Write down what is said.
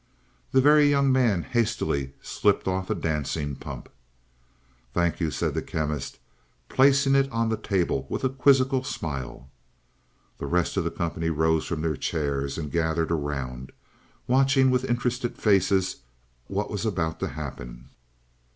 The Very Young Man hastily slipped off a dancing pump. "Thank you," said the Chemist, placing it on the table with a quizzical smile. The rest of the company rose from their chairs and gathered around, watching with interested faces what was about to happen.